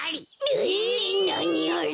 ええっなにあれ？